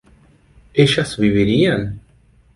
¿ellas vivirían?